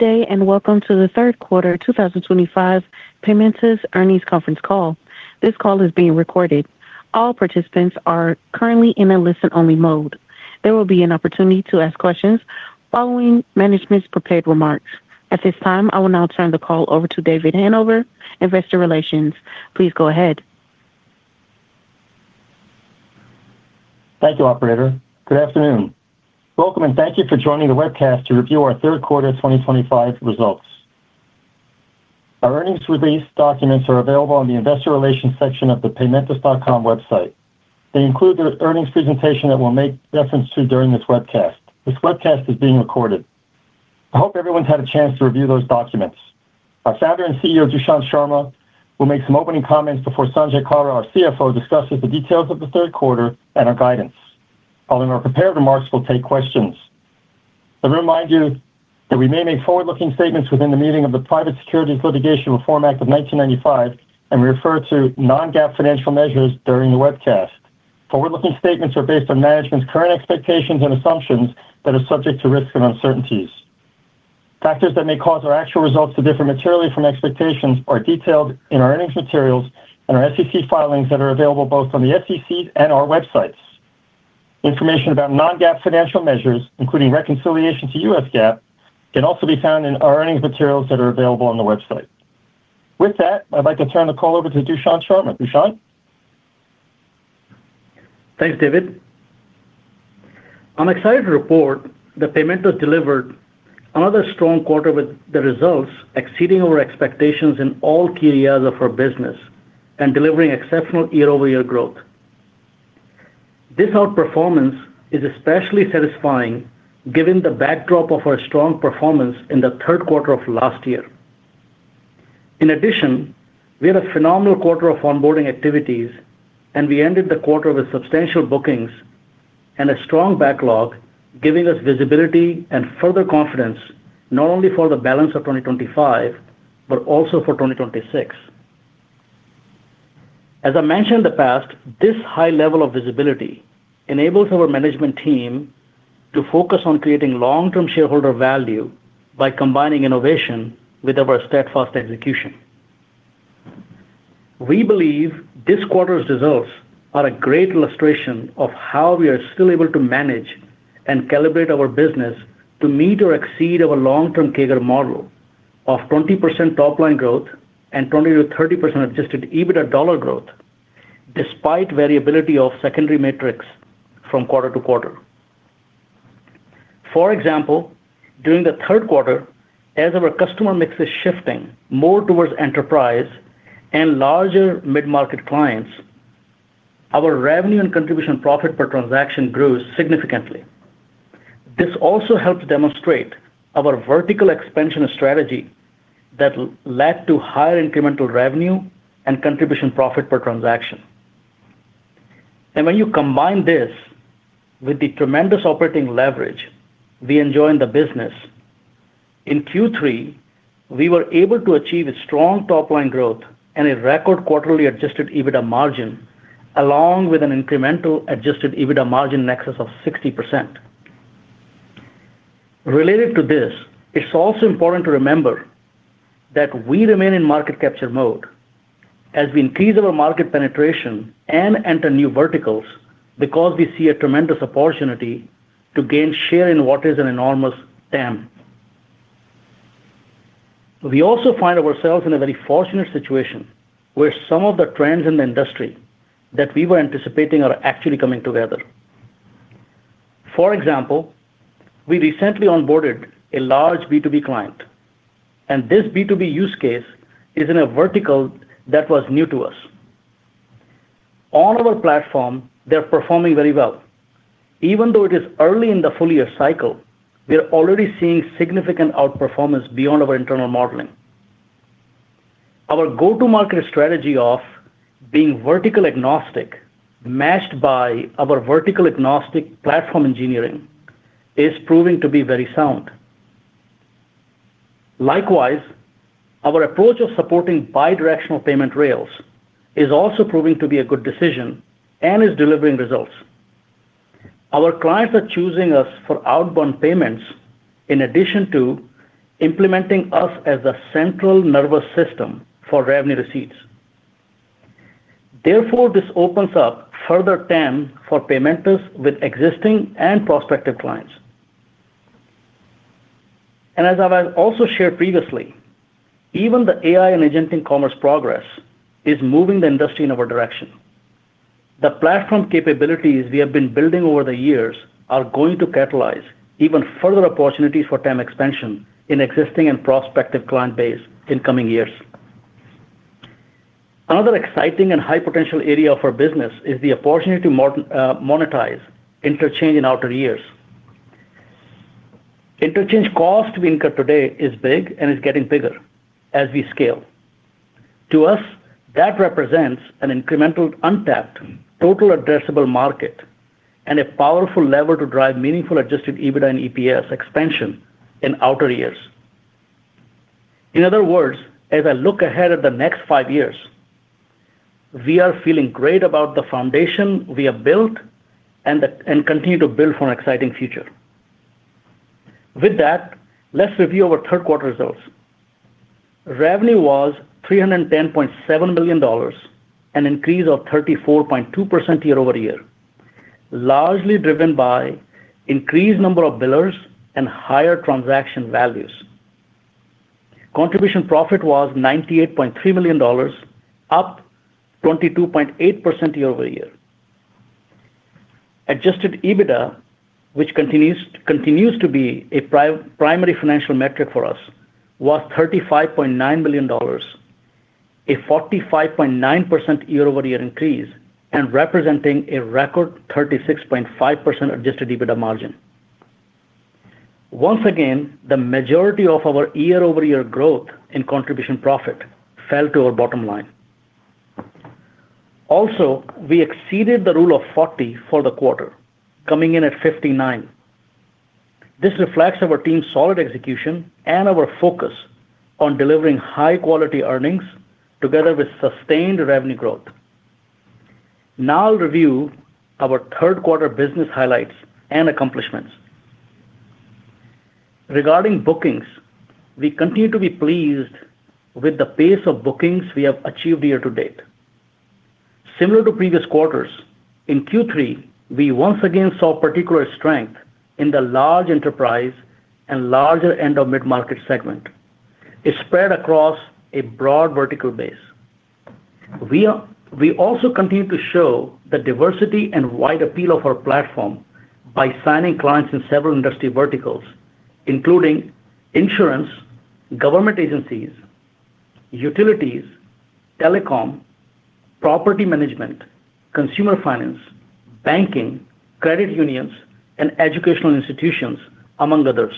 Good day and welcome to the Third Quarter 2025 Paymentus Earnings Conference Call. This call is being recorded. All participants are currently in a listen-only mode. There will be an opportunity to ask questions following management's prepared remarks. At this time, I will now turn the call over to David Hanover, Investor Relations. Please go ahead. Thank you, Operator. Good afternoon. Welcome, and thank you for joining the webcast to review our third quarter 2025 results. Our earnings release documents are available on the Investor Relations section of the paymentus.com website. They include the earnings presentation that we'll make reference to during this webcast. This webcast is being recorded. I hope everyone's had a chance to review those documents. Our Founder and CEO, Dushyant Sharma, will make some opening comments before Sanjay Kalra, our CFO, discusses the details of the third quarter and our guidance. Following our prepared remarks, we'll take questions. I remind you that we may make forward-looking statements within the meaning of the Private Securities Litigation Reform Act of 1995, and we refer to non-GAAP financial measures during the webcast. Forward-looking statements are based on management's current expectations and assumptions that are subject to risk of uncertainties. Factors that may cause our actual results to differ materially from expectations are detailed in our earnings materials and our SEC filings that are available both on the SEC and our websites. Information about non-GAAP financial measures, including reconciliation to US GAAP, can also be found in our earnings materials that are available on the website. With that, I'd like to turn the call over to Dushyant Sharma. Dushyant? Thanks, David. I'm excited to report that Paymentus delivered another strong quarter with the results exceeding our expectations in all key areas of our business and delivering exceptional year-over-year growth. This outperformance is especially satisfying given the backdrop of our strong performance in the third quarter of last year. In addition, we had a phenomenal quarter of onboarding activities, and we ended the quarter with substantial bookings and a strong backlog, giving us visibility and further confidence not only for the balance of 2025 but also for 2026. As I mentioned in the past, this high level of visibility enables our management team to focus on creating long-term shareholder value by combining innovation with our steadfast execution. We believe this quarter's results are a great illustration of how we are still able to manage and calibrate our business to meet or exceed our long-term CAGR model of 20% top-line growth and Adjusted EBITDA dollar growth, despite variability of secondary metrics from quarter to quarter. For example, during the third quarter, as our customer mix is shifting more towards enterprise and larger mid-market clients, our revenue and Contribution Profit per transaction grew significantly. This also helps demonstrate our vertical expansion strategy that led to higher incremental revenue and Contribution Profit per transaction. When you combine this with the tremendous operating leverage we enjoy in the business, in Q3, we were able to achieve strong top-line growth and a record Adjusted EBITDA margin, along with an Adjusted EBITDA margin nexus of 60%. Related to this, it's also important to remember that we remain in market capture mode as we increase our market penetration and enter new verticals because we see a tremendous opportunity to gain share in what is an enormous TAM. We also find ourselves in a very fortunate situation where some of the trends in the industry that we were anticipating are actually coming together. For example, we recently onboarded a large B2B client, and this B2B use case is in a vertical that was new to us. On our platform, they're performing very well. Even though it is early in the full year cycle, we're already seeing significant outperformance beyond our internal modeling. Our go-to-market strategy of being vertical agnostic, matched by our vertical agnostic platform engineering, is proving to be very sound. Likewise, our approach of supporting bidirectional payment rails is also proving to be a good decision and is delivering results. Our clients are choosing us for outbound payments in addition to implementing us as the central nervous system for revenue receipts. Therefore, this opens up further TAM for Paymentus with existing and prospective clients. As I've also shared previously, even the AI and agentic commerce progress is moving the industry in our direction. The platform capabilities we have been building over the years are going to catalyze even further opportunities for TAM expansion in existing and prospective client base in coming years. Another exciting and high-potential area of our business is the opportunity to monetize interchange in outer years. Interchange cost we incur today is big and is getting bigger as we scale. To us, that represents an incremental untapped total addressable market and a powerful lever to drive Adjusted EBITDA and EPS expansion in outer years. In other words, as I look ahead at the next five years, we are feeling great about the foundation we have built and continue to build for an exciting future. With that, let's review our third quarter results. Revenue was $310.7 million, an increase of 34.2% year-over-year, largely driven by an increased number of billers and higher transaction values. Contribution Profit was $98.3 million, up 22.8% Adjusted EBITDA, which continues to be a primary financial metric for us, was $35.9 million, a 45.9% year-over-year increase and representing a record Adjusted EBITDA margin. Once again, the majority of our year-over-year growth in Contribution Profit fell to our bottom line. Also, we exceeded the Rule of 40 for the quarter, coming in at 59. This reflects our team's solid execution and our focus on delivering high-quality earnings together with sustained revenue growth. Now I'll review our third quarter business highlights and accomplishments. Regarding bookings, we continue to be pleased with the pace of bookings we have achieved year to date. Similar to previous quarters, in Q3, we once again saw particular strength in the large enterprise and larger end-of-mid-market segment. It spread across a broad vertical base. We also continue to show the diversity and wide appeal of our platform by signing clients in several industry verticals, including insurance, government agencies, utilities, telecom, property management, consumer finance, banking, credit unions, and educational institutions, among others.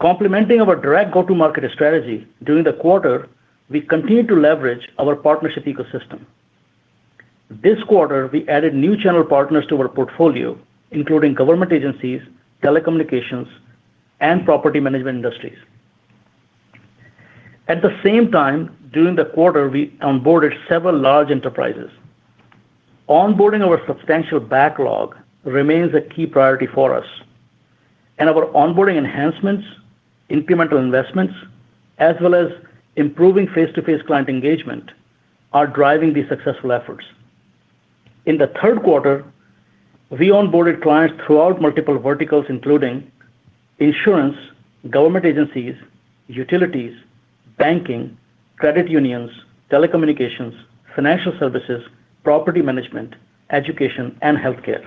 Complementing our direct go-to-market strategy during the quarter, we continue to leverage our partnership ecosystem. This quarter, we added new channel partners to our portfolio, including government agencies, telecommunications, and property management industries. At the same time, during the quarter, we onboarded several large enterprises. Onboarding our substantial backlog remains a key priority for us, and our onboarding enhancements, incremental investments, as well as improving face-to-face client engagement, are driving these successful efforts. In the third quarter, we onboarded clients throughout multiple verticals, including insurance, government agencies, utilities, banking, credit unions, telecommunications, financial services, property management, education, and healthcare.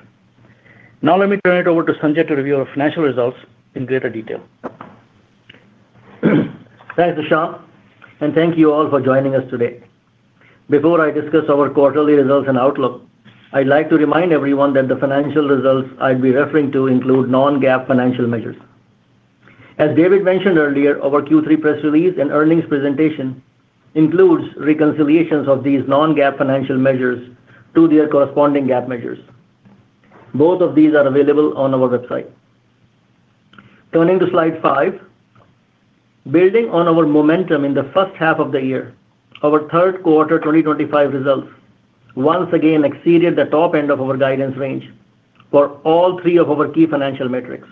Now let me turn it over to Sanjay to review our financial results in greater detail. Thanks, Dushyant, and thank you all for joining us today. Before I discuss our quarterly results and outlook, I'd like to remind everyone that the financial results I'll be referring to include non-GAAP financial measures. As David mentioned earlier, our Q3 press release and earnings presentation includes reconciliations of these non-GAAP financial measures to their corresponding GAAP measures. Both of these are available on our website. Turning to slide five. Building on our momentum in the first half of the year, our third quarter 2025 results once again exceeded the top end of our guidance range for all three of our key financial metrics.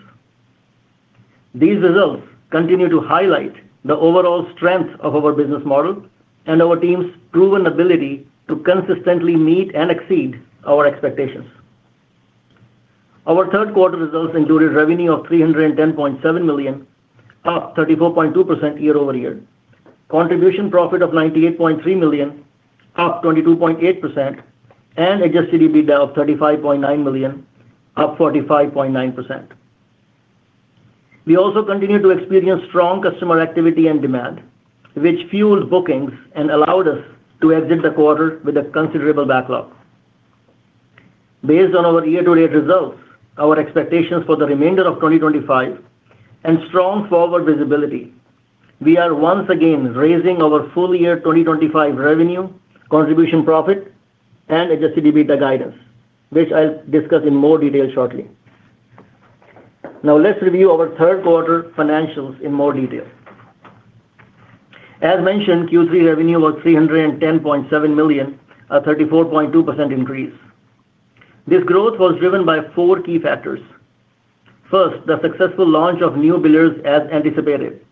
These results continue to highlight the overall strength of our business model and our team's proven ability to consistently meet and exceed our expectations. Our third quarter results included revenue of $310.7 million, up 34.2% year-over-year, Contribution Profit of $98.3 million, up 22.8%, Adjusted EBITDA of $35.9 million, up 45.9%. We also continue to experience strong customer activity and demand, which fueled bookings and allowed us to exit the quarter with a considerable backlog. Based on our year-to-date results, our expectations for the remainder of 2025, and strong forward visibility, we are once again raising our full year 2025 revenue, Contribution Profit, Adjusted EBITDA guidance, which I'll discuss in more detail shortly. Now, let's review our third quarter financials in more detail. As mentioned, Q3 revenue was $310.7 million, a 34.2% increase. This growth was driven by four key factors. First, the successful launch of new billers as anticipated.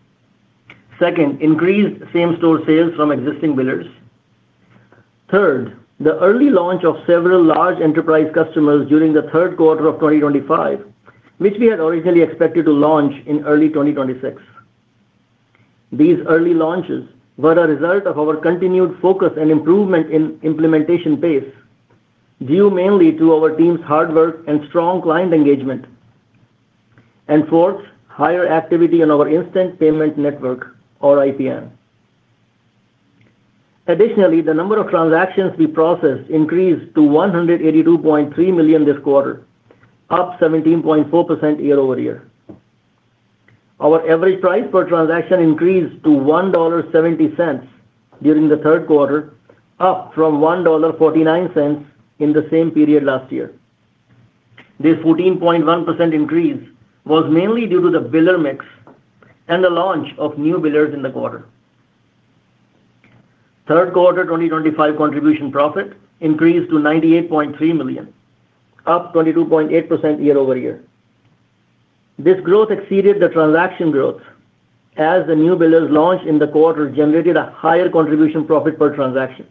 Second, increased same-store sales from existing billers. Third, the early launch of several large enterprise customers during the third quarter of 2025, which we had originally expected to launch in early 2026. These early launches were a result of our continued focus and improvement in implementation pace, due mainly to our team's hard work and strong client engagement. Fourth, higher activity on our Instant Payment Network, or IPN. Additionally, the number of transactions we processed increased to 182.3 million this quarter, up 17.4% year-over-year. Our average price per transaction increased to $1.70 during the third quarter, up from $1.49 in the same period last year. This 14.1% increase was mainly due to the biller mix and the launch of new billers in the quarter. Third quarter 2025 Contribution Profit increased to $98.3 million, up 22.8% year-over-year. This growth exceeded the transaction growth as the new billers launched in the quarter generated a higher Contribution Profit per transaction.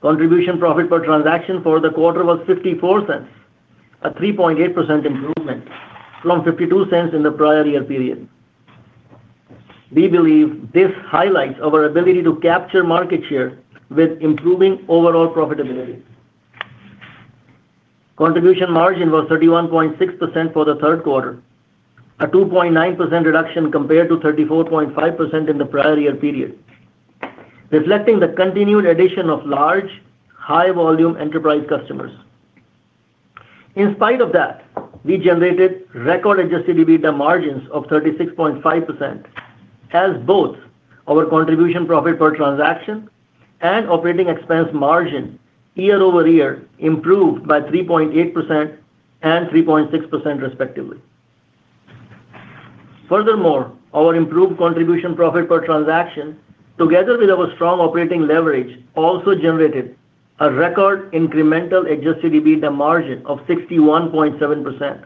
Contribution Profit per transaction for the quarter was $0.54, a 3.8% improvement from $0.52 in the prior year period. We believe this highlights our ability to capture market share with improving overall profitability. Contribution margin was 31.6% for the third quarter, a 2.9% reduction compared to 34.5% in the prior year period, reflecting the continued addition of large, high-volume enterprise customers. In spite of that, we generated Adjusted EBITDA margins of 36.5%. As both our Contribution Profit per transaction and operating expense margin year-over-year improved by 3.8% and 3.6%, respectively. Furthermore, our improved Contribution Profit per transaction, together with our strong operating leverage, also generated a record Adjusted EBITDA margin of 61.7%.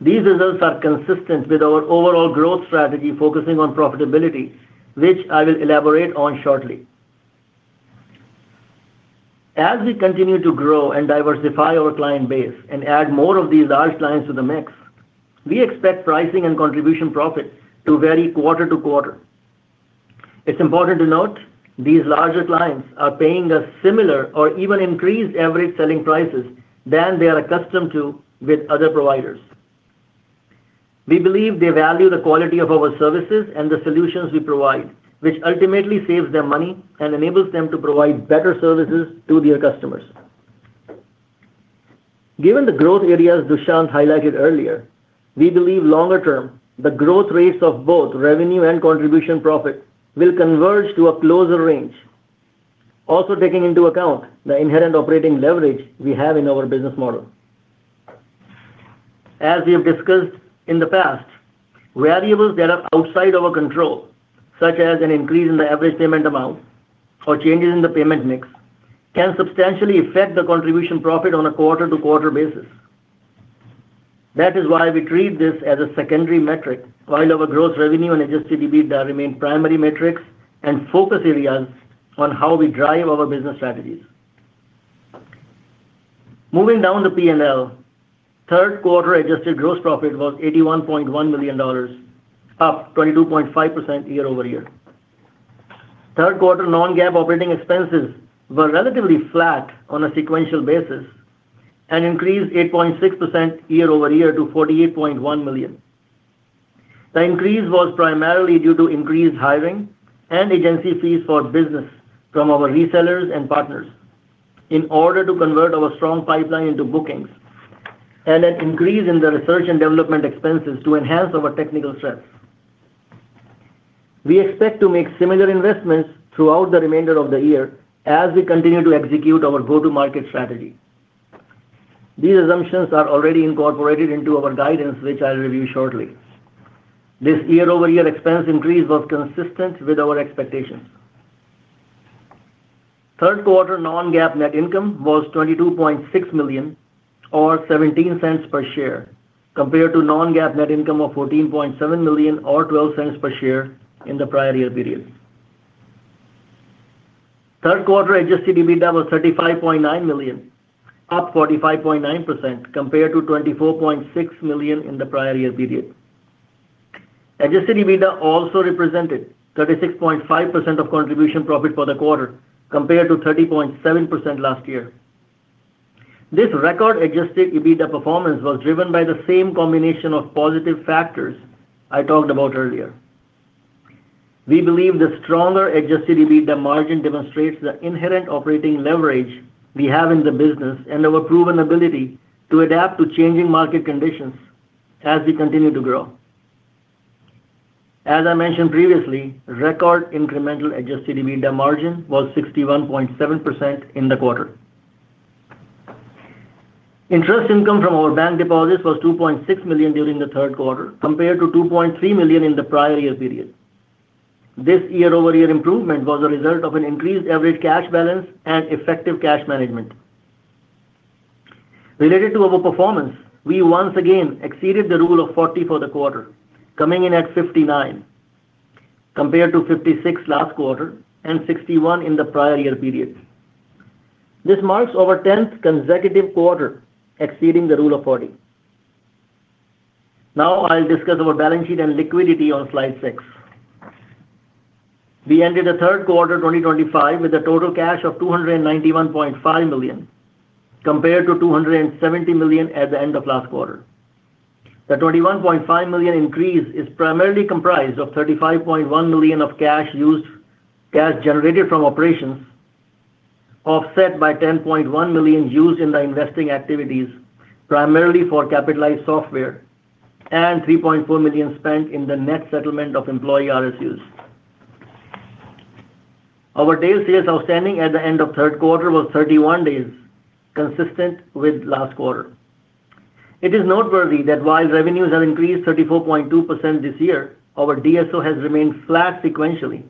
These results are consistent with our overall growth strategy focusing on profitability, which I will elaborate on shortly. As we continue to grow and diversify our client base and add more of these large clients to the mix, we expect pricing and Contribution Profit to vary quarter to quarter. It's important to note these larger clients are paying a similar or even increased average selling prices than they are accustomed to with other providers. We believe they value the quality of our services and the solutions we provide, which ultimately saves them money and enables them to provide better services to their customers. Given the growth areas Dushyant highlighted earlier, we believe longer-term the growth rates of both revenue and Contribution Profit will converge to a closer range. Also taking into account the inherent operating leverage we have in our business model. As we have discussed in the past. Variables that are outside our control, such as an increase in the average payment amount or changes in the payment mix, can substantially affect the Contribution Profit on a quarter-to-quarter basis. That is why we treat this as a secondary metric, while our gross revenue Adjusted EBITDA remain primary metrics and focus areas on how we drive our business strategies. Moving down the P&L, third quarter adjusted gross profit was $81.1 million. Up 22.5% year-over-year. Third quarter non-GAAP operating expenses were relatively flat on a sequential basis and increased 8.6% year-over-year to $48.1 million. The increase was primarily due to increased hiring and agency fees for business from our resellers and partners in order to convert our strong pipeline into bookings. And an increase in the research and development expenses to enhance our technical strength. We expect to make similar investments throughout the remainder of the year as we continue to execute our go-to-market strategy. These assumptions are already incorporated into our guidance, which I'll review shortly. This year-over-year expense increase was consistent with our expectations. Third quarter non-GAAP net income was $22.6 million, or $0.17 per share, compared to non-GAAP net income of $14.7 million, or $0.12 per share in the prior year period. Third Adjusted EBITDA was $35.9 million, up 45.9% compared to $24.6 million in the prior year Adjusted EBITDA also represented 36.5% of Contribution Profit for the quarter compared to 30.7% last year. This Adjusted EBITDA performance was driven by the same combination of positive factors I talked about earlier. We believe the Adjusted EBITDA margin demonstrates the inherent operating leverage we have in the business and our proven ability to adapt to changing market conditions as we continue to grow. As I mentioned previously, record Adjusted EBITDA margin was 61.7% in the quarter. Interest income from our bank deposits was $2.6 million during the third quarter compared to $2.3 million in the prior year period. This year-over-year improvement was a result of an increased average cash balance and effective cash management. Related to our performance, we once again exceeded the Rule of 40 for the quarter, coming in at 59, compared to 56 last quarter and 61 in the prior year period. This marks our 10th consecutive quarter exceeding the Rule of 40. Now I'll discuss our balance sheet and liquidity on slide six. We ended the third quarter 2025 with a total cash of $291.5 million, compared to $270 million at the end of last quarter. The $21.5 million increase is primarily comprised of $35.1 million of cash generated from operations, offset by $10.1 million used in investing activities, primarily for capitalized software, and $3.4 million spent in the net settlement of employee RSUs. Our days sales outstanding at the end of third quarter was 31 days, consistent with last quarter. It is noteworthy that while revenues have increased 34.2% this year, our DSO has remained flat sequentially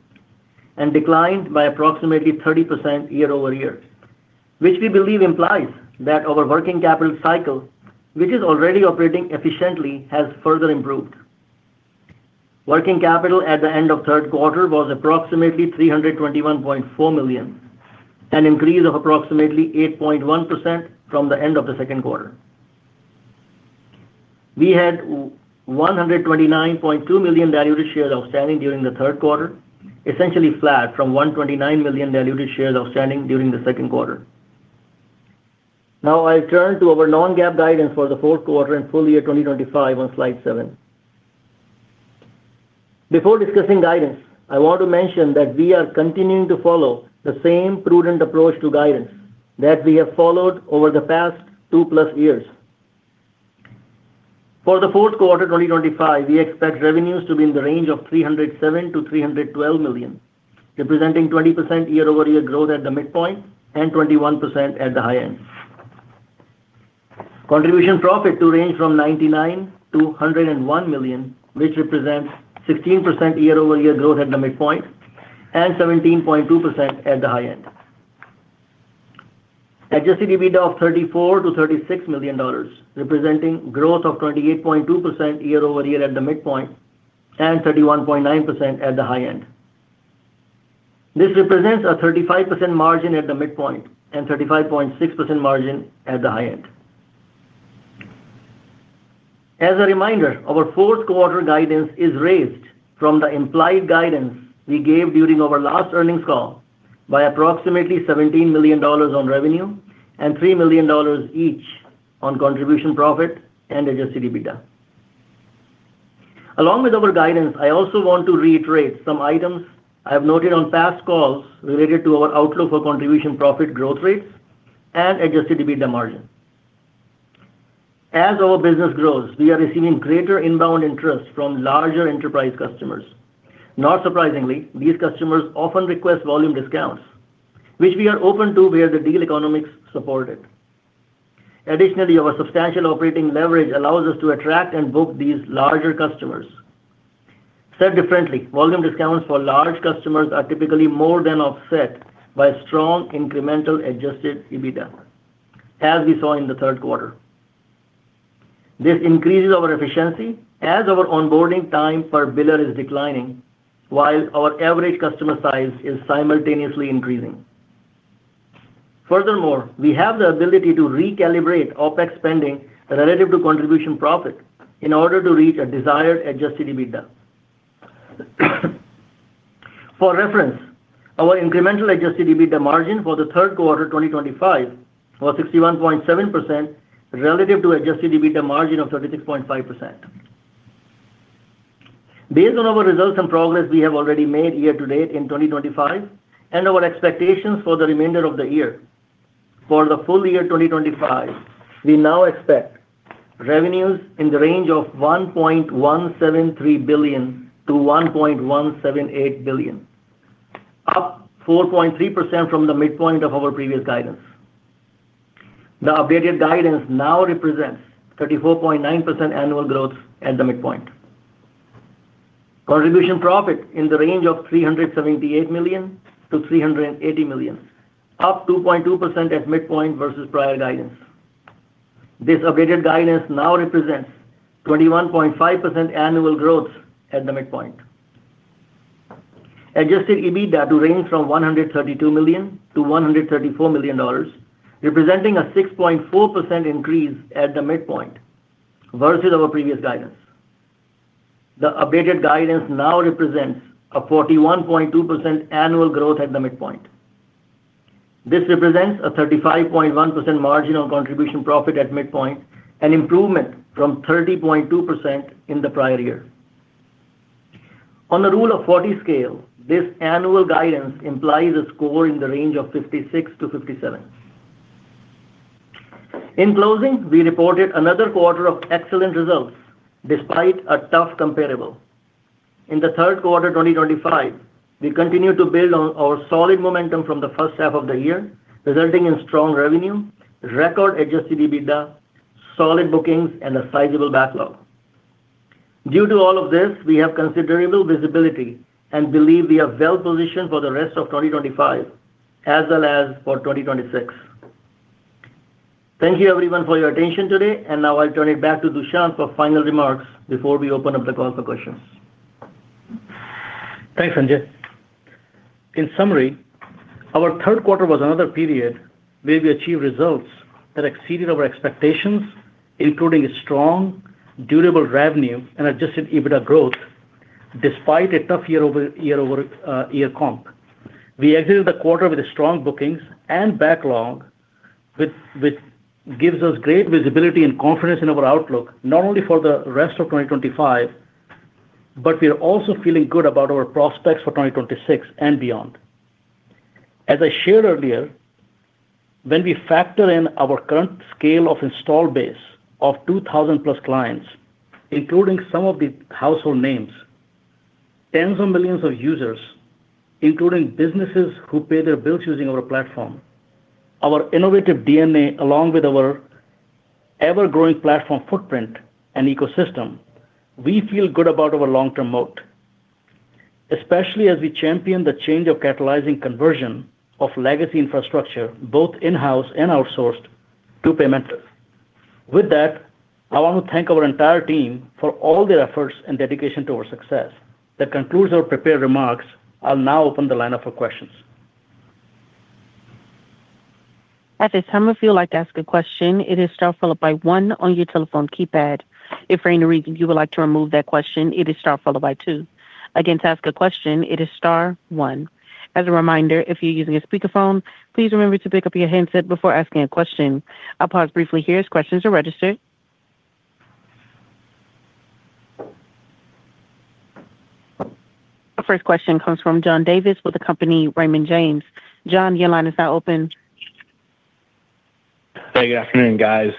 and declined by approximately 30% year-over-year, which we believe implies that our working capital cycle, which is already operating efficiently, has further improved. Working capital at the end of third quarter was approximately $321.4 million, an increase of approximately 8.1% from the end of the second quarter. We had 129.2 million diluted shares outstanding during the third quarter, essentially flat from 129 million diluted shares outstanding during the second quarter. Now I'll turn to our non-GAAP guidance for the fourth quarter and full year 2025 on slide seven. Before discussing guidance, I want to mention that we are continuing to follow the same prudent approach to guidance that we have followed over the past two plus years. For the fourth quarter 2025, we expect revenues to be in the range of $307 million-$312 million, representing 20% year-over-year growth at the midpoint and 21% at the high end. Contribution Profit to range from $99 million-$101 million, which represents 16% year-over-year growth at the midpoint and 17.2% at the high Adjusted EBITDA of $34 million-$36 million, representing growth of 28.2% year-over-year at the midpoint and 31.9% at the high end. This represents a 35% margin at the midpoint and 35.6% margin at the high end. As a reminder, our fourth quarter guidance is raised from the implied guidance we gave during our last earnings call by approximately $17 million on revenue and $3 million each on Contribution Profit Adjusted EBITDA. along with our guidance, I also want to reiterate some items I have noted on past calls related to our outlook for Contribution Profit growth rates Adjusted EBITDA margin. As our business grows, we are receiving greater inbound interest from larger enterprise customers. Not surprisingly, these customers often request volume discounts, which we are open to where the deal economics support it. Additionally, our substantial operating leverage allows us to attract and book these larger customers. Said differently, volume discounts for large customers are typically more than offset by strong Adjusted EBITDA, as we saw in the third quarter. This increases our efficiency as our onboarding time per biller is declining, while our average customer size is simultaneously increasing. Furthermore, we have the ability to recalibrate OpEx spending relative to Contribution Profit in order to reach a Adjusted EBITDA. for reference, our Adjusted EBITDA margin for the third quarter 2025 was 61.7%, relative Adjusted EBITDA margin of 36.5%. Based on our results and progress we have already made year to date in 2025 and our expectations for the remainder of the year, for the full year 2025, we now expect revenues in the range of $1.173 billion-$1.178 billion, up 4.3% from the midpoint of our previous guidance. The updated guidance now represents 34.9% annual growth at the midpoint. Contribution Profit in the range of $378 million-$380 million, up 2.2% at midpoint versus prior guidance. This updated guidance now represents 21.5% annual growth at the Adjusted EBITDA to range from $132 million-$134 million, representing a 6.4% increase at the midpoint versus our previous guidance. The updated guidance now represents a 41.2% annual growth at the midpoint. This represents a 35.1% margin on Contribution Profit at midpoint, an improvement from 30.2% in the prior year. On the Rule of 40 scale, this annual guidance implies a score in the range of 56-57. In closing, we reported another quarter of excellent results despite a tough comparable. In the third quarter 2025, we continue to build on our solid momentum from the first half of the year, resulting in strong revenue, Adjusted EBITDA, solid bookings, and a sizable backlog. Due to all of this, we have considerable visibility and believe we are well positioned for the rest of 2025 as well as for 2026. Thank you, everyone, for your attention today. Now I'll turn it back to Dushyant for final remarks before we open up the call for questions. Thanks, Sanjay. In summary, our third quarter was another period where we achieved results that exceeded our expectations, including strong, durable revenue Adjusted EBITDA growth despite a tough year-over-year comp. We exited the quarter with strong bookings and backlog, which gives us great visibility and confidence in our outlook, not only for the rest of 2025, but we are also feeling good about our prospects for 2026 and beyond. As I shared earlier, when we factor in our current scale of install base of 2,000+ clients, including some of the household names, tens of millions of users, including businesses who pay their bills using our platform, our innovative DNA, along with our ever-growing platform footprint and ecosystem, we feel good about our long-term moat. Especially as we champion the change of catalyzing conversion of legacy infrastructure, both in-house and outsourced, to Paymentus. With that, I want to thank our entire team for all their efforts and dedication to our success. That concludes our prepared remarks. I'll now open the lineup for questions. At this time, if you would like to ask a question, it is star followed by one on your telephone keypad. If for any reason you would like to remove that question, it is star followed by two. Again, to ask a question, it is star one. As a reminder, if you're using a speakerphone, please remember to pick up your headset before asking a question. I'll pause briefly here as questions are registered. Our first question comes from John Davis with the company Raymond James. John, your line is now open. Hey, good afternoon, guys.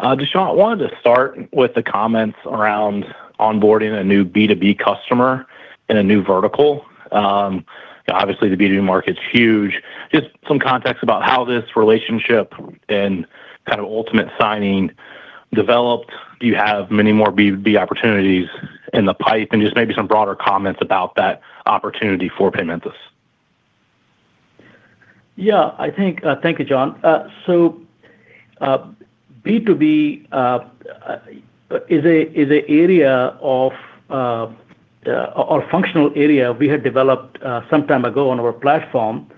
Dushyant, I wanted to start with the comments around onboarding a new B2B customer in a new vertical. Obviously, the B2B market's huge. Just some context about how this relationship and kind of ultimate signing developed. Do you have many more B2B opportunities in the pipe? And just maybe some broader comments about that opportunity for Paymentus. Yeah, I think thank you, John. B2B is an area of our functional area we had developed some time ago on our platform.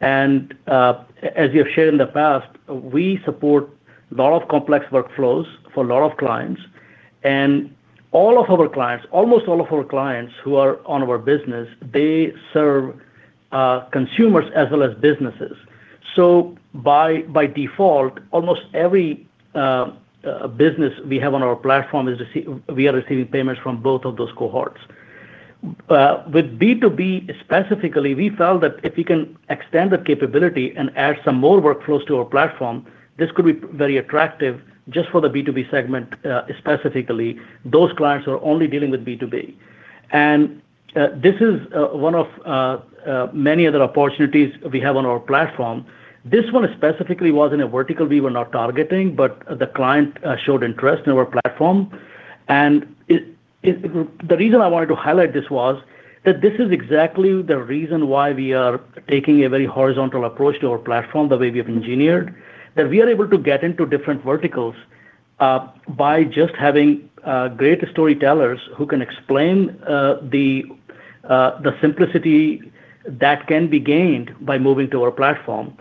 As you have shared in the past, we support a lot of complex workflows for a lot of clients. Almost all of our clients who are on our business, they serve consumers as well as businesses. By default, almost every business we have on our platform, we are receiving payments from both of those cohorts. With B2B specifically, we felt that if we can extend the capability and add some more workflows to our platform, this could be very attractive just for the B2B segment specifically. Those clients are only dealing with B2B. This is one of many other opportunities we have on our platform. This one specifically was in a vertical we were not targeting, but the client showed interest in our platform. The reason I wanted to highlight this was that this is exactly the reason why we are taking a very horizontal approach to our platform, the way we have engineered, that we are able to get into different verticals by just having great storytellers who can explain the simplicity that can be gained by moving to our platform.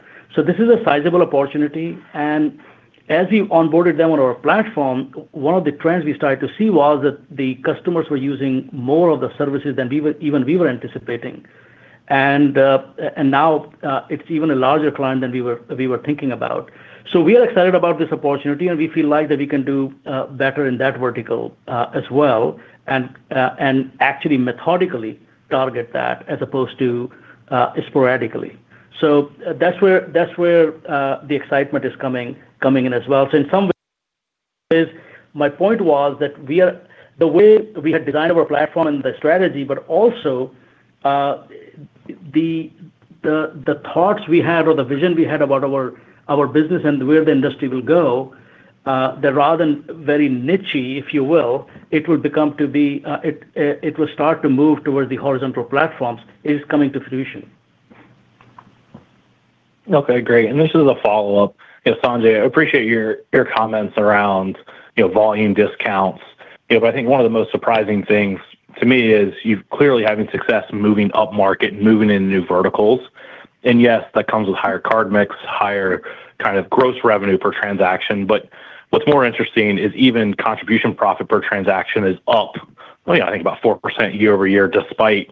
This is a sizable opportunity. As we onboarded them on our platform, one of the trends we started to see was that the customers were using more of the services than even we were anticipating. Now it's even a larger client than we were thinking about. We are excited about this opportunity, and we feel like that we can do better in that vertical as well and actually methodically target that as opposed to sporadically. That's where the excitement is coming in as well. In some ways, my point was that the way we had designed our platform and the strategy, but also the thoughts we had or the vision we had about our business and where the industry will go, that rather than very nichey, if you will, it will become to be, it will start to move towards the horizontal platforms, is coming to fruition. Okay, great. This is a follow-up. Sanjay, I appreciate your comments around volume discounts. I think one of the most surprising things to me is you're clearly having success moving up market and moving into new verticals. Yes, that comes with higher card mix, higher kind of gross revenue per transaction. What's more interesting is even Contribution Profit per transaction is up, I think, about 4% year-over-year despite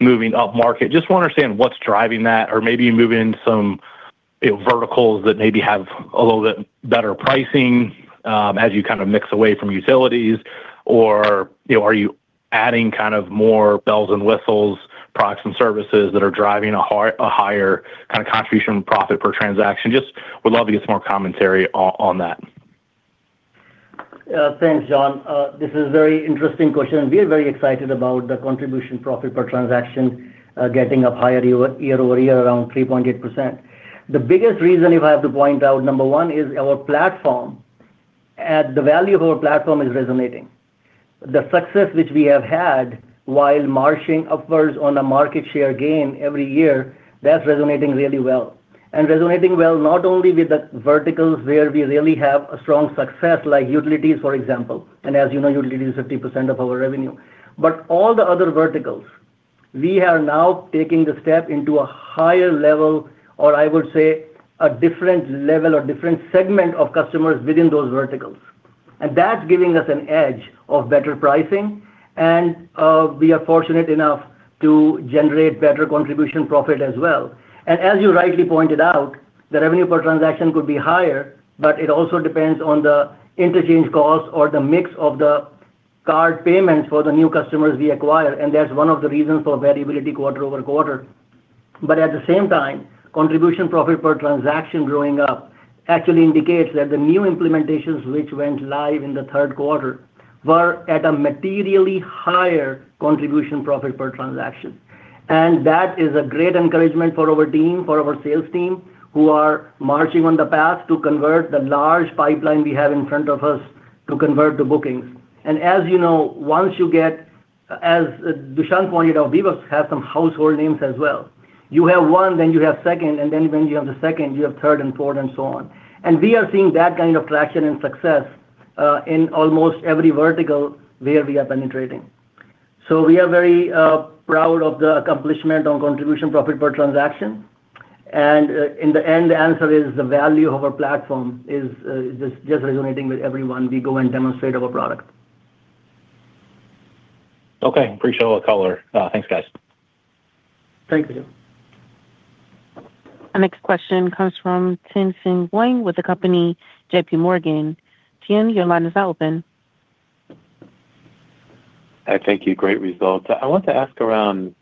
moving up market. Just want to understand what's driving that, or maybe moving some verticals that maybe have a little bit better pricing as you kind of mix away from utilities. Or are you adding kind of more bells and whistles, products, and services that are driving a higher kind of Contribution Profit per transaction? Just would love to get some more commentary on that. Thanks, John. This is a very interesting question. We are very excited about the Contribution Profit per transaction getting up higher year-over-year, around 3.8%. The biggest reason, if I have to point out, number one, is our platform. The value of our platform is resonating. The success which we have had while marching upwards on a market share gain every year, that's resonating really well. Resonating well not only with the verticals where we really have a strong success, like utilities, for example, and as you know, utilities is 50% of our revenue, but all the other verticals, we are now taking the step into a higher level, or I would say a different level or different segment of customers within those verticals. That's giving us an edge of better pricing. We are fortunate enough to generate better Contribution Profit as well. As you rightly pointed out, the revenue per transaction could be higher, but it also depends on the interchange cost or the mix of the card payments for the new customers we acquire. That's one of the reasons for variability quarter-over-quarter. At the same time, Contribution Profit per transaction growing up actually indicates that the new implementations which went live in the third quarter were at a materially higher Contribution Profit per transaction. That is a great encouragement for our team, for our sales team, who are marching on the path to convert the large pipeline we have in front of us to convert to bookings. As you know, once you get, as Dushyant pointed out, we have some household names as well. You have one, then you have second, and then when you have the second, you have third and fourth and so on. We are seeing that kind of traction and success in almost every vertical where we are penetrating. We are very proud of the accomplishment on Contribution Profit per transaction. In the end, the answer is the value of our platform is just resonating with everyone we go and demonstrate our product. Okay, appreciate all the color. Thanks, guys. Thank you. Our next question comes from Tien-Tsin Huang with the company JPMorgan. Tien, your line is now open. Thank you. Great results. I want to ask around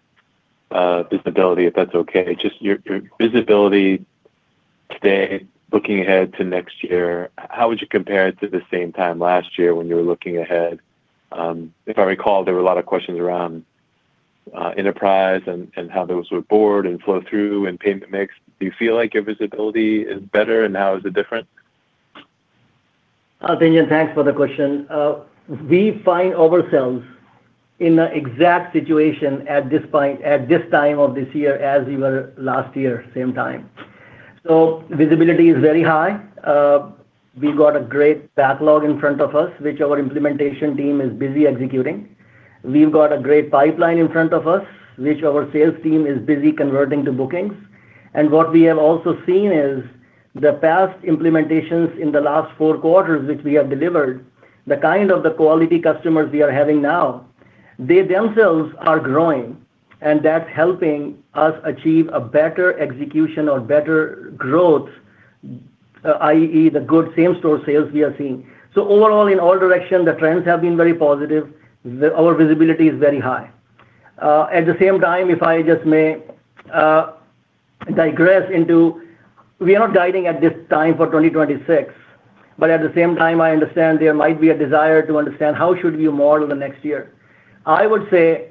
visibility, if that's okay. Just your visibility today, looking ahead to next year, how would you compare it to the same time last year when you were looking ahead? If I recall, there were a lot of questions around enterprise and how those would board and flow through and payment mix. Do you feel like your visibility is better, and how is it different? Thank you. Thanks for the question. We find ourselves in the exact situation at this point, at this time of this year as we were last year, same time. Visibility is very high. We've got a great backlog in front of us, which our implementation team is busy executing. We've got a great pipeline in front of us, which our sales team is busy converting to bookings. What we have also seen is the past implementations in the last four quarters, which we have delivered, the kind of quality customers we are having now. They themselves are growing, and that's helping us achieve a better execution or better growth, i.e., the good same-store sales we are seeing. Overall, in all directions, the trends have been very positive. Our visibility is very high. At the same time, if I just may digress into, we are not guiding at this time for 2026, but at the same time, I understand there might be a desire to understand how should we model the next year. I would say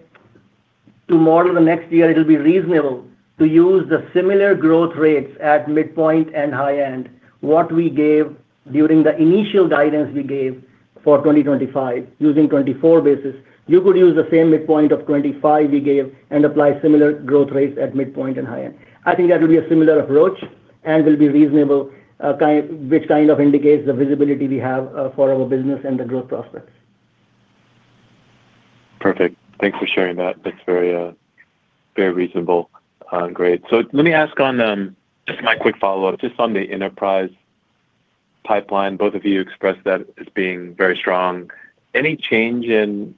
to model the next year, it will be reasonable to use the similar growth rates at midpoint and high end, what we gave during the initial guidance we gave for 2025, using 2024 basis. You could use the same midpoint of 2025 we gave and apply similar growth rates at midpoint and high end. I think that would be a similar approach and will be reasonable, which kind of indicates the visibility we have for our business and the growth prospects. Perfect. Thanks for sharing that. That's very reasonable. Great. Let me ask on just my quick follow-up, just on the enterprise pipeline. Both of you expressed that as being very strong. Any change in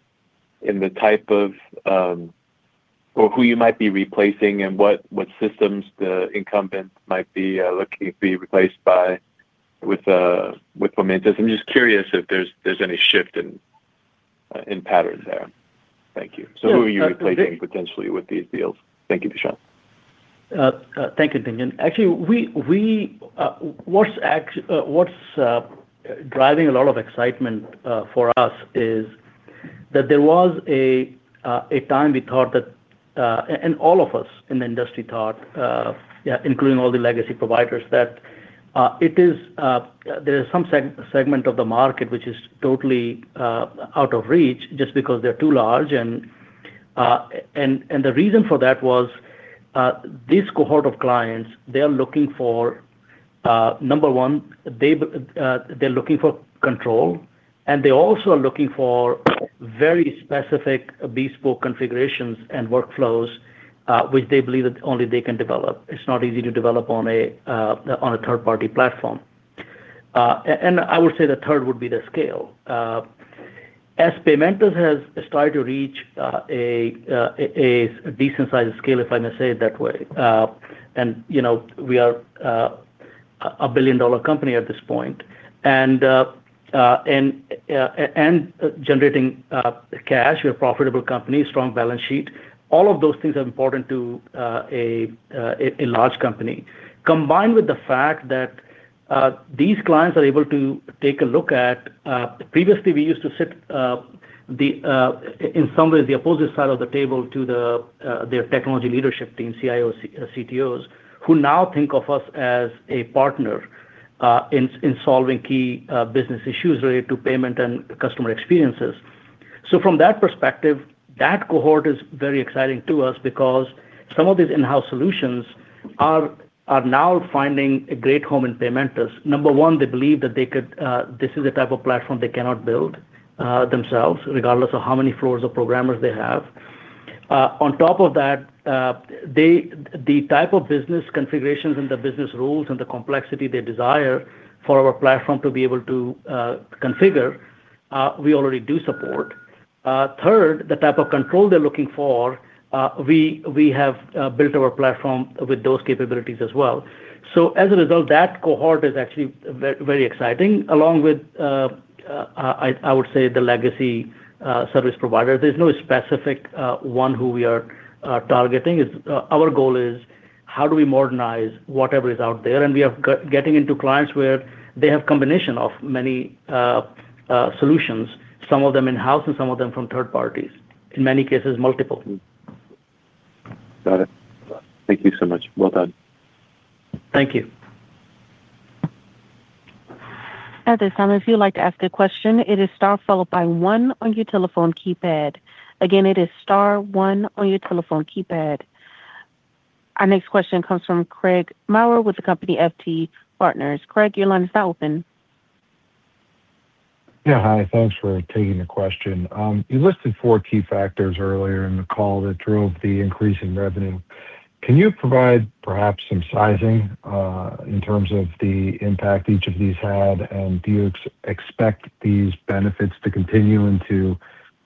the type of, or who you might be replacing and what systems the incumbent might be looking to be replaced by with Paymentus? I'm just curious if there's any shift in pattern there. Thank you. Who are you replacing potentially with these deals? Thank you, Dushyant. Thank you, Daniel. Actually, what's driving a lot of excitement for us is that there was a time we thought that, and all of us in the industry thought, including all the legacy providers, that there is some segment of the market which is totally out of reach just because they're too large. The reason for that was this cohort of clients, they are looking for, number one, they're looking for control, and they also are looking for very specific bespoke configurations and workflows, which they believe that only they can develop. It's not easy to develop on a third-party platform. I would say the third would be the scale. As Paymentus has started to reach a decent size of scale, if I may say it that way, and we are a billion-dollar company at this point and generating cash, we're a profitable company, strong balance sheet. All of those things are important to a large company. Combined with the fact that these clients are able to take a look at, previously, we used to sit in some ways, the opposite side of the table to their technology leadership team, CIOs, CTOs, who now think of us as a partner in solving key business issues related to payment and customer experiences. From that perspective, that cohort is very exciting to us because some of these in-house solutions are now finding a great home in Paymentus. Number one, they believe that this is a type of platform they cannot build themselves, regardless of how many floors of programmers they have. On top of that, the type of business configurations and the business rules and the complexity they desire for our platform to be able to configure, we already do support. Third, the type of control they're looking for, we have built our platform with those capabilities as well. As a result, that cohort is actually very exciting, along with, I would say, the legacy service providers. There's no specific one who we are targeting. Our goal is, how do we modernize whatever is out there? We are getting into clients where they have a combination of many solutions, some of them in-house and some of them from third parties, in many cases, multiple. Got it. Thank you so much. Well done. Thank you. At this time, if you'd like to ask a question, it is star followed by one on your telephone keypad. Again, it is star one on your telephone keypad. Our next question comes from Craig Maurer with the company FT Partners. Craig, your line is now open. Yeah. Hi. Thanks for taking the question. You listed four key factors earlier in the call that drove the increase in revenue. Can you provide perhaps some sizing in terms of the impact each of these had, and do you expect these benefits to continue into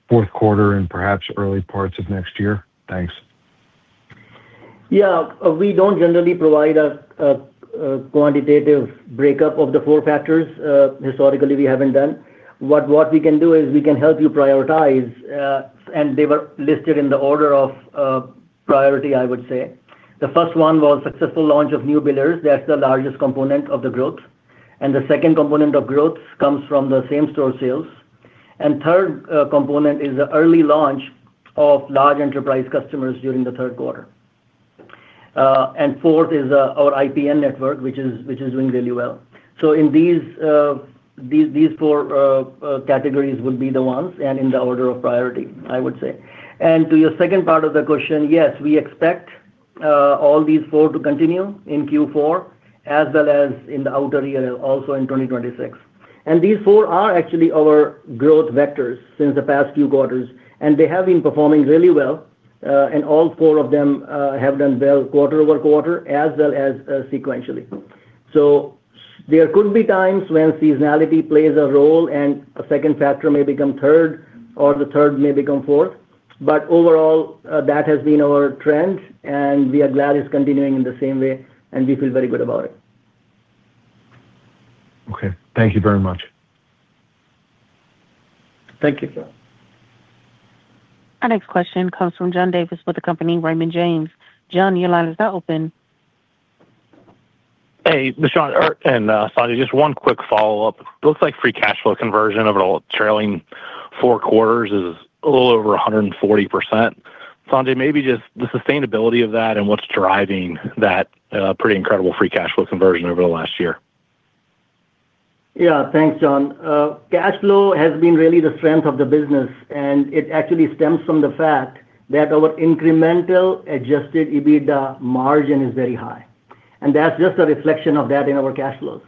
fourth quarter and perhaps early parts of next year? Thanks. Yeah. We do not generally provide a quantitative breakup of the four factors. Historically, we have not done. What we can do is we can help you prioritize, and they were listed in the order of priority, I would say. The first one was successful launch of new billers. That is the largest component of the growth. The second component of growth comes from the same-store sales. The third component is the early launch of large enterprise customers during the third quarter. Fourth is our IPN network, which is doing really well. In these four categories would be the ones and in the order of priority, I would say. To your second part of the question, yes, we expect all these four to continue in Q4 as well as in the outer year, also in 2026. These four are actually our growth vectors since the past few quarters, and they have been performing really well. All four of them have done well quarter-over-quarter as well as sequentially. There could be times when seasonality plays a role, and a second factor may become third, or the third may become fourth. Overall, that has been our trend, and we are glad it is continuing in the same way, and we feel very good about it. Okay. Thank you very much. Thank you. Our next question comes from John Davis with the company Raymond James. John, your line is now open. Hey, Dushyant and Sanjay, just one quick follow-up. It looks like free cash flow conversion of it all trailing four quarters is a little over 140%. Sanjay, maybe just the sustainability of that and what is driving that pretty incredible free cash flow conversion over the last year. Yeah. Thanks, John. Cash flow has been really the strength of the business, and it actually stems from the fact that our Adjusted EBITDA margin is very high. That is just a reflection of that in our cash flows.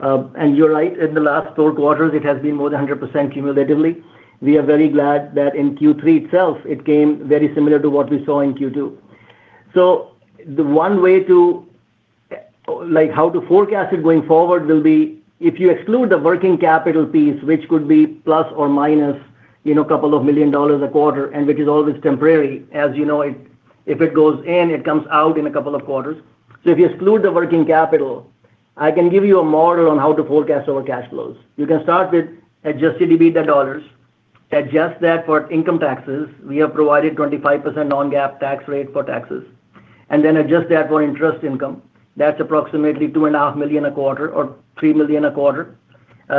You are right. In the last four quarters, it has been more than 100% cumulatively. We are very glad that in Q3 itself, it came very similar to what we saw in Q2. The one way to forecast it going forward will be if you exclude the working capital piece, which could be plus or minus a couple of million dollars a quarter, and which is always temporary. As you know, if it goes in, it comes out in a couple of quarters. If you exclude the working capital, I can give you a model on how to forecast our cash flows. You can start Adjusted EBITDA dollars, adjust that for income taxes. We have provided a 25% non-GAAP tax rate for taxes, and then adjust that for interest income. That's approximately $2.5 million a quarter or $3 million a quarter,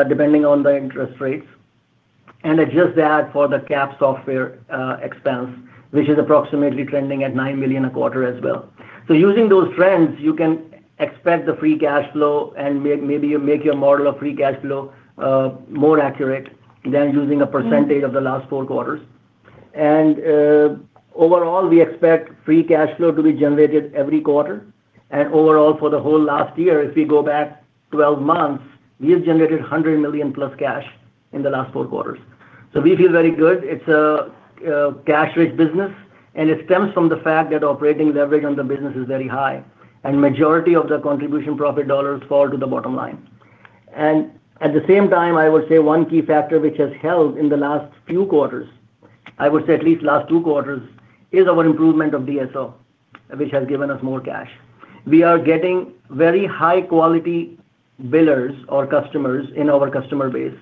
depending on the interest rates. And adjust that for the capitalized software expense, which is approximately trending at $9 million a quarter as well. Using those trends, you can expect the free cash flow, and maybe you make your model of free cash flow more accurate than using a percentage of the last four quarters. Overall, we expect free cash flow to be generated every quarter. Overall, for the whole last year, if we go back 12 months, we have generated $100 million+ cash in the last four quarters. We feel very good. It's a cash-rich business, and it stems from the fact that operating leverage on the business is very high, and the majority of the Contribution Profit dollars fall to the bottom line. At the same time, I would say one key factor which has held in the last few quarters, I would say at least last two quarters, is our improvement of days sales outstanding, which has given us more cash. We are getting very high-quality billers or customers in our customer base.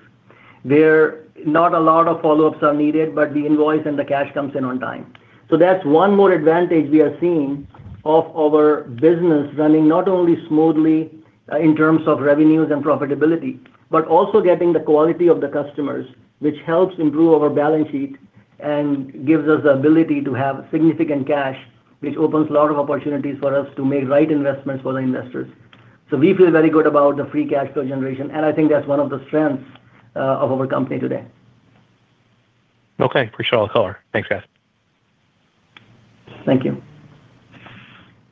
Not a lot of follow-ups are needed, but the invoice and the cash comes in on time. That's one more advantage we are seeing of our business running not only smoothly in terms of revenues and profitability, but also getting the quality of the customers, which helps improve our balance sheet and gives us the ability to have significant cash, which opens a lot of opportunities for us to make right investments for the investors. We feel very good about the free cash flow generation, and I think that's one of the strengths of our company today. Okay. Appreciate all the color. Thanks, guys. Thank you.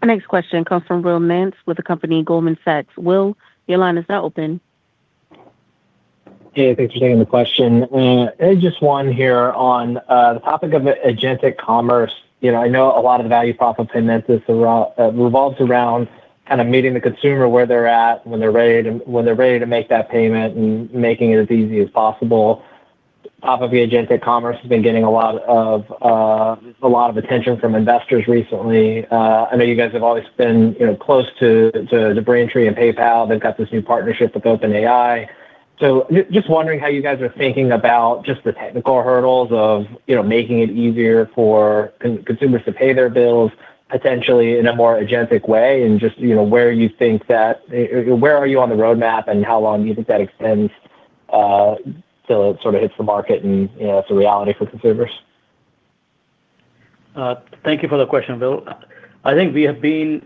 Our next question comes from Will Nance with the company Goldman Sachs. Will, your line is now open. Hey. Thanks for taking the question. Just one here on the topic of agentic commerce. I know a lot of the value prop of Paymentus revolves around kind of meeting the consumer where they're at when they're ready to make that payment and making it as easy as possible. The topic of agentic commerce has been getting a lot of attention from investors recently. I know you guys have always been close to Braintree and PayPal. They've got this new partnership with OpenAI. Just wondering how you guys are thinking about just the technical hurdles of making it easier for consumers to pay their bills, potentially in a more agentic way, and just where you think that where are you on the roadmap and how long do you think that extends until it sort of hits the market and it's a reality for consumers? Thank you for the question, Will. I think we have been.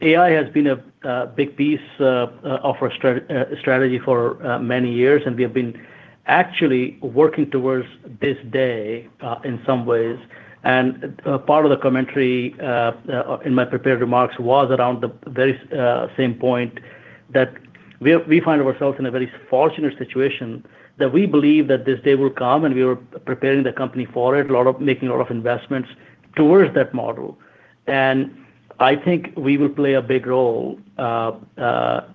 AI has been a big piece of our strategy for many years, and we have been actually working towards this day in some ways. Part of the commentary in my prepared remarks was around the very same point that we find ourselves in a very fortunate situation that we believe that this day will come, and we were preparing the company for it, making a lot of investments towards that model. I think we will play a big role in AI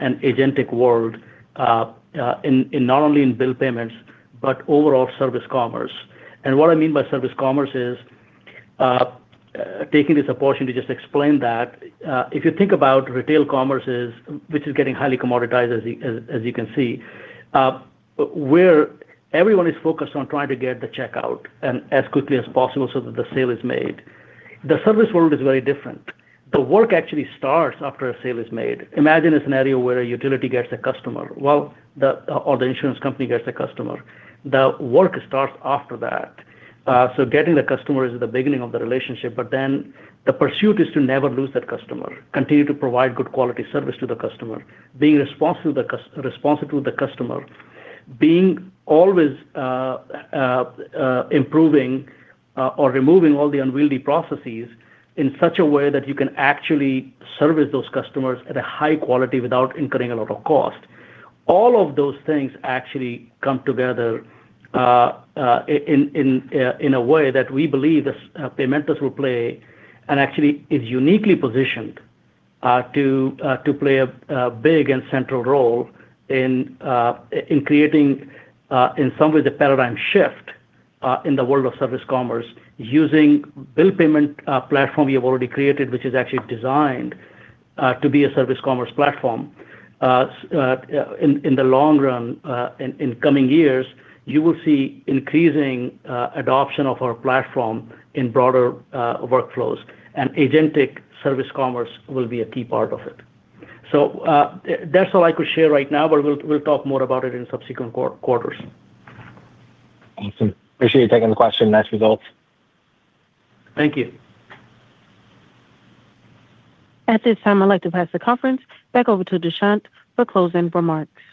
and agentic world, not only in bill payments but overall service commerce. What I mean by service commerce is taking this opportunity to just explain that if you think about retail commerce, which is getting highly commoditized, as you can see, where everyone is focused on trying to get the checkout as quickly as possible so that the sale is made, the service world is very different. The work actually starts after a sale is made. Imagine a scenario where a utility gets a customer, or the insurance company gets a customer. The work starts after that. Getting the customer is the beginning of the relationship, but then the pursuit is to never lose that customer, continue to provide good quality service to the customer, being responsible to the customer, being always improving or removing all the unwieldy processes in such a way that you can actually service those customers at a high quality without incurring a lot of cost. All of those things actually come together in a way that we believe Paymentus will play and actually is uniquely positioned to play a big and central role in creating, in some ways, a paradigm shift in the world of service commerce using the bill payment platform we have already created, which is actually designed to be a service commerce platform. In the long run, in coming years, you will see increasing adoption of our platform in broader workflows, and agentic service commerce will be a key part of it. That is all I could share right now, but we will talk more about it in subsequent quarters. Awesome. Appreciate you taking the question. Nice results. Thank you. At this time, I would like to pass the conference back over to Dushyant for closing remarks.